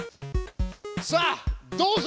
さあどうぞ！